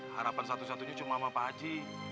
harapan satu satunya cuma sama pak haji